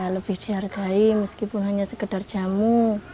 lebih dihargai meskipun hanya sekedar jamu